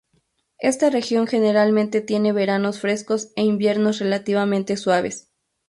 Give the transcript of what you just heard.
Esta región generalmente tiene veranos frescos e inviernos relativamente suaves.